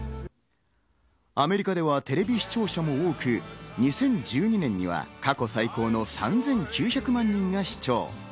アメリカではテレビ視聴者も多く、２０１２年には過去最高の３９００万人が視聴。